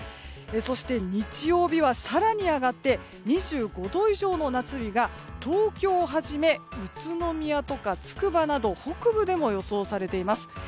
そして日曜日は更に上がって２５度以上の夏日が東京をはじめ、宇都宮とかつくばなど北部でも予想されています。